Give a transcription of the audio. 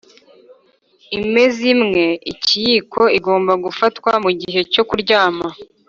"imeza imwe-ikiyiko igomba gufatwa mugihe cyo kuryama."